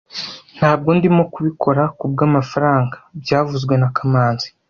Ntabwo ndimo kubikora kubwamafaranga byavuzwe na kamanzi